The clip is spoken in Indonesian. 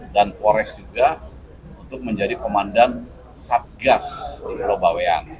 dan kores juga untuk menjadi komandan satgas di pulau bawean